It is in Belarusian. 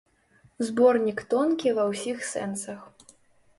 Зборнік тонкі ва ўсіх сэнсах.